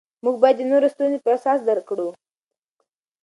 موږ باید د نورو ستونزې په احساس درک کړو